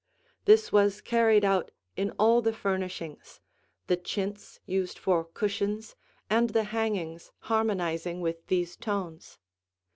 This was carried out in all the furnishings, the chintz used for cushions and the hangings harmonizing with these tones.